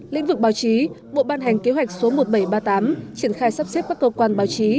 lĩnh vực báo chí bộ ban hành kế hoạch số một nghìn bảy trăm ba mươi tám triển khai sắp xếp các cơ quan báo chí